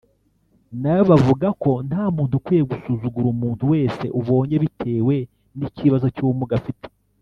nabo bavuga ko nta muntu ukwiye gusuzugura umuntu wese abonye bitewe n’ikibazo cy’ubumuga afite